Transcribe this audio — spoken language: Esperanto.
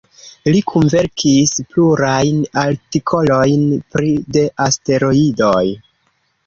Li kunverkis plurajn artikolojn pri de asteroidoj.